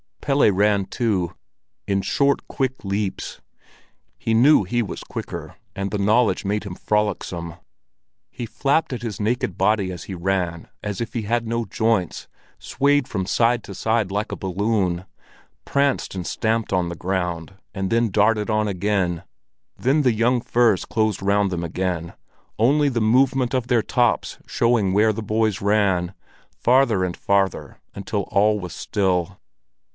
Pelle ran too, in short, quick leaps. He knew he was the quicker, and the knowledge made him frolicsome. He flapped at his naked body as he ran, as if he had no joints, swayed from side to side like a balloon, pranced and stamped on the ground, and then darted on again. Then the young firs closed round them again, only the movement of their tops showing where the boys ran, farther and farther, until all was still.